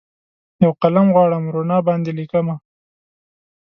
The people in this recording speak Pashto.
یوقلم غواړم روڼا باندې لیکمه